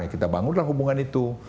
kita bangunlah hubungan itu